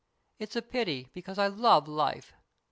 It's a pity, because I love life."